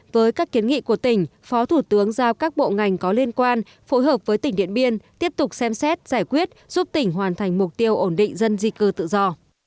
với các kiến nghị của tỉnh phó thủ tướng giao các bộ ngành có liên quan phối hợp với tỉnh điện biên tiếp tục xem xét giải quyết giúp tỉnh hoàn thành mục tiêu ổn định dân di cư tự do